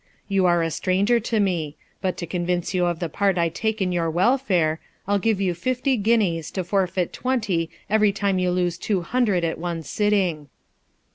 You are a stranger to me ; but to convince you of the part I take in your welfare, I'll give you fifty guineas, to forfeit twenty every time you lose two hundred at one sitting."